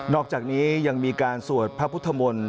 อกจากนี้ยังมีการสวดพระพุทธมนตร์